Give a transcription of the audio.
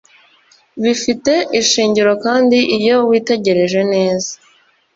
bifite ishingiro kandi iyo witegereje neza